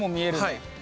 はい。